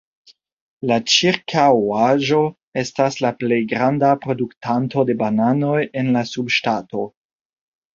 La ĉirkaŭaĵo estas la plej granda produktanto de bananoj en la subŝtato.